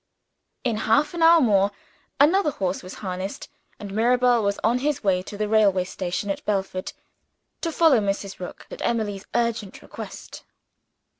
In half an hour more, another horse was harnessed, and Mirabel was on his way to the railway station at Belford, to follow Mrs. Rook at Emily's urgent request.